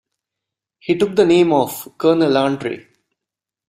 He took the name of "Colonel Andre".